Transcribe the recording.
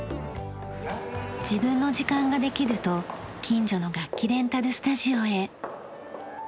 自分の時間ができると近所の楽器レンタルスタジオへ。